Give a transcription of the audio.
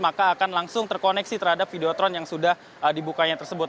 maka akan langsung terkoneksi terhadap videotron yang sudah dibukanya tersebut